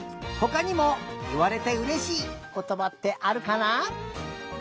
ほかにもいわれてうれしいことばってあるかな？